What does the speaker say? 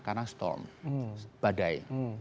karena storm badai